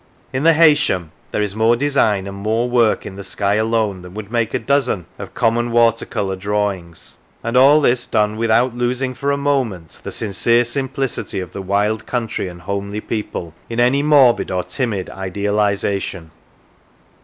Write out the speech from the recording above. In the Heysham there is more design and more work in the sky alone than would make a dozen of common J 54 The Sands water colour drawings, and all this done without losing for a moment the sincere simplicity of the wild country and homely people, in any morbid or timid idealisation."